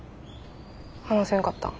話せんかったん？